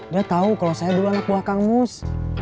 dia tahu kalau saya dulu anak buah kang mus